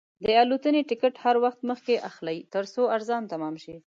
د الوتنې ټکټ هر وخت مخکې اخلئ، ترڅو ارزان تمام شي.